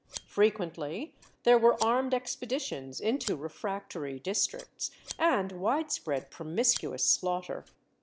Frequently there were armed expeditions into refractory districts and widespread promiscuous slaughter.